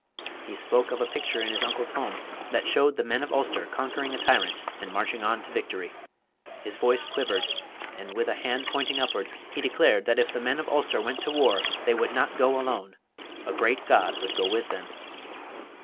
He spoke of a picture in his uncle's home that showed the men of Ulster conquering a tyrant and marching on to victory. His voice quivered, and with a hand pointing upward he declared that if the men of Ulster went to war they would not go alone a great God would go with them.